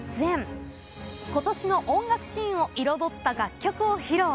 ことしの音楽シーンを彩った楽曲を披露。